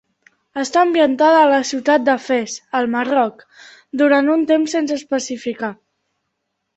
Està ambientada a la ciutat de Fes, al Marroc, durant un temps sense especificar.